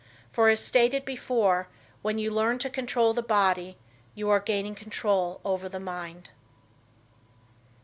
For, as stated before, when you learn to control the body, you are gaining control over the mind.